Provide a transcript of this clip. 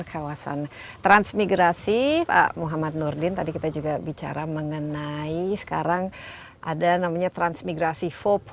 kawasan transmigrasi pak muhammad nurdin tadi kita juga bicara mengenai sekarang ada namanya transmigrasi empat